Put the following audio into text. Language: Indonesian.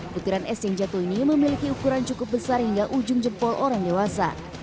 butiran es yang jatuh ini memiliki ukuran cukup besar hingga ujung jempol orang dewasa